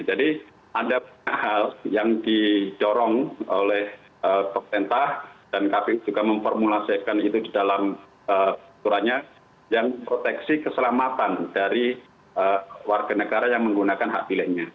jadi ada hal yang dicorong oleh dokter entah dan kpu juga memformulasikan itu di dalam jurannya yang proteksi keselamatan dari warga negara yang menggunakan hak pilihnya